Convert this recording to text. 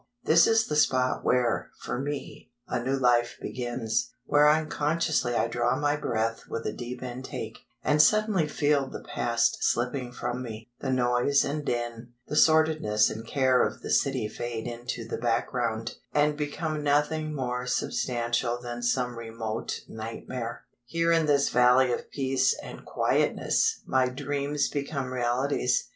This is the spot where, for me, a new life begins; where unconsciously I draw my breath with a deep intake, and suddenly feel the past slipping from me; the noise and din, the sordidness and care of the city fade into the background and become nothing more substantial than some remote nightmare. Here in this Valley of Peace and Quietness my dreams become realities.